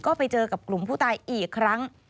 ก็ไปเจอกับกลุ่มผู้ตายอีกครั้ง